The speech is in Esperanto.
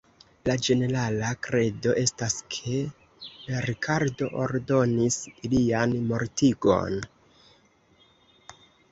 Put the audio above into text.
La ĝenerala kredo estas ke Rikardo ordonis ilian mortigon.